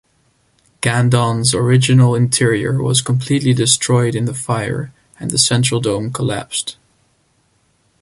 Gandon's original interior was completely destroyed in the fire and the central dome collapsed.